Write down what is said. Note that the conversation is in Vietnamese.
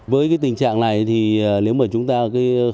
với tình trạng này thì nếu mà chúng ta có thể tìm ra một tên là